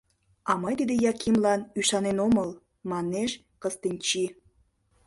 — А мый тиде Якимлан ӱшанен омыл, — манеш Кыстинчи.